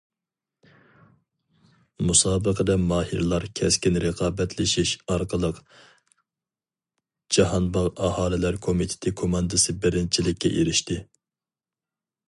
مۇسابىقىدە ماھىرلار كەسكىن رىقابەتلىشىش ئارقىلىق، جاھانباغ ئاھالىلەر كومىتېتى كوماندىسى بىرىنچىلىككە ئېرىشتى.